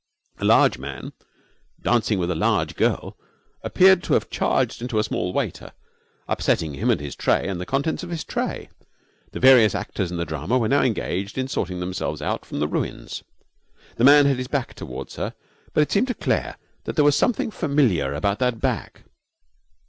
A large man, dancing with a large girl, appeared to have charged into a small waiter, upsetting him and his tray and the contents of his tray. The various actors in the drama were now engaged in sorting themselves out from the ruins. The man had his back toward her, and it seemed to Claire that there was something familiar about that back.